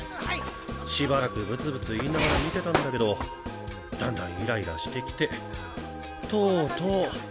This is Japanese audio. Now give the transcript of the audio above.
しばらくブツブツ言いながら見てたんだけどだんだんイライラしてきてとうとう。